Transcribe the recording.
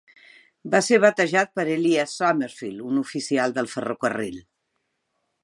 Va ser batejat per Elias Summerfield, un oficial del ferrocarril.